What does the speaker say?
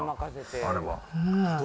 あれは。